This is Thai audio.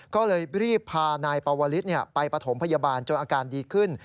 ก็เลยรีบพานายปวลิศไปปฐมพยาบาลจนอาการดีขึ้น